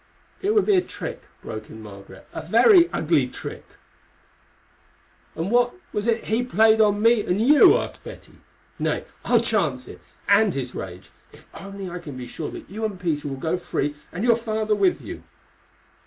"It would be a trick," broke in Margaret—"a very ugly trick." "And what was it he played on me and you?" asked Betty. "Nay, I'll chance it, and his rage, if only I can be sure that you and Peter will go free, and your father with you."